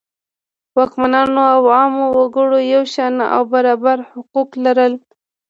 واکمنانو او عامو وګړو یو شان او برابر حقوق لرل.